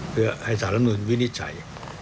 เพื่อให้สารรัฐมนุนวินิจฉัย